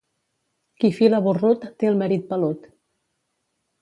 Qui fila borrut té el marit pelut.